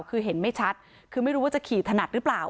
คือเห็นไม่ชัดคือไม่รู้ว่าจะขี่ถนัดหรือเปล่า